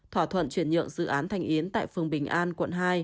thỏa thuận chuyển nhượng dự án thanh yến tại phương bình an quận hai